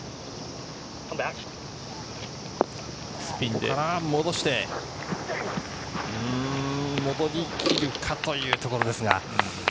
ここから戻して、戻りきるかというところですが。